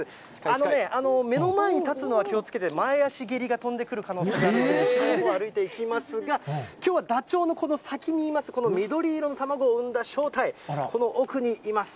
あのね、目の前に立つのは気をつけて、前足蹴りが飛んでくる可能性があるので、後ろのほうを歩いていきますが、きょうはダチョウのこの先にいます、この緑色の卵を産んだ正体、この奥にいます。